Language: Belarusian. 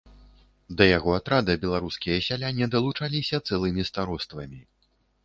Да яго атрада беларускія сяляне далучаліся цэлымі староствамі.